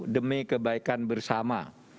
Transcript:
demi kebaikan bersama